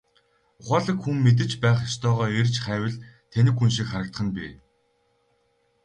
Ухаалаг хүн мэдэж байх ёстойгоо эрж хайвал тэнэг хүн шиг харагдах нь бий.